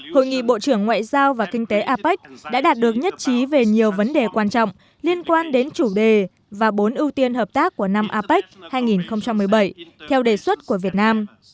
hội nghị bộ trưởng ngoại giao và kinh tế apec đã đạt được nhất trí về nhiều vấn đề quan trọng liên quan đến chủ đề và bốn ưu tiên hợp tác của năm apec hai nghìn một mươi bảy theo đề xuất của việt nam